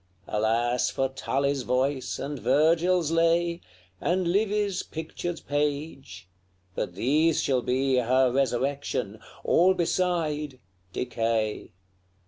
Alas for Tully's voice, and Virgil's lay, And Livy's pictured page! But these shall be Her resurrection; all beside decay.